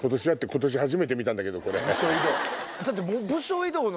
今年初めて見たんだけどこれ。